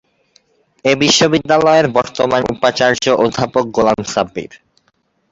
এ বিশ্ববিদ্যালয়ের বর্তমান উপাচার্য অধ্যাপক গোলাম সাব্বির।